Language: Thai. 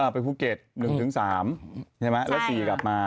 ไปภูเก็ต๑๓ใช่ไหมแล้ว๔กลับมา